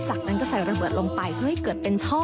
จากนั้นก็ใส่ระเบิดลงไปเพื่อให้เกิดเป็นช่อ